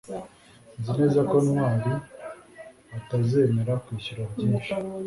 Nzi neza ko Ntwali atazemera kwishyura byinshi